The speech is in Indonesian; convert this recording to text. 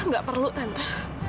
gak perlu tante